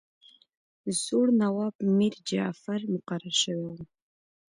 زوړ نواب میرجعفر مقرر شوی وو.